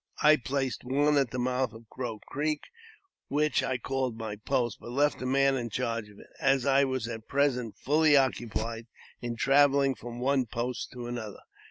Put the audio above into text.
I placed one at the mouth of Crow Creek, which I called my post, but left a man in charge of it, as I was at present fully occupied in travelling from one post to another.